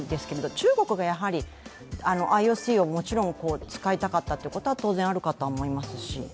中国がＩＯＣをもちろん使いたかったということは当然あると思いますし。